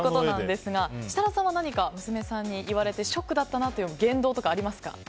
設楽さんは何か娘さんに言われてショックだったなという言動とかありますか？